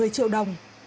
bảy mươi triệu đồng